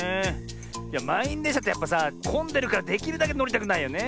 いやまんいんでんしゃってやっぱさこんでるからできるだけのりたくないよね。